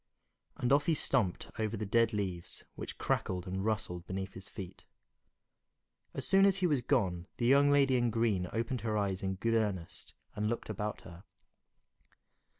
And off he stumped over the dead leaves, which crackled and rustled beneath his feet. As soon as he was gone, the young lady in green opened her eyes in good earnest and looked about her.